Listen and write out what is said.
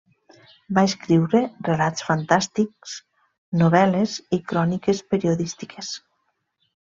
Va escriure relats fantàstics, novel·les i cròniques periodístiques.